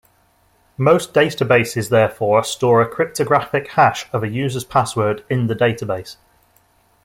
Most databases therefore store a cryptographic hash of a user's password in the database.